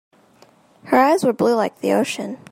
Her eyes were blue like the ocean.